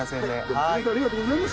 ありがとうございます。